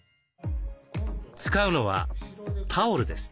使うのはタオルです。